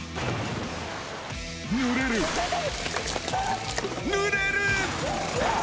ぬれる、ぬれる。